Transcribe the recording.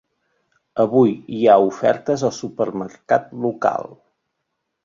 Avui hi ha ofertes al supermercat local.